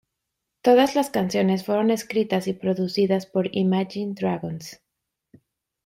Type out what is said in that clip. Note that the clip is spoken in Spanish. Todas las canciones fueron escritas y producidas por Imagine Dragons.